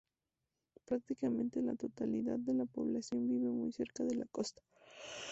Prácticamente la totalidad de la población vive muy cerca de la costa.